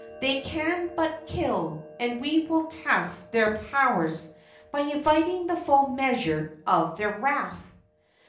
They can but kill, and we will test their powers by inviting the full measure of their wrath."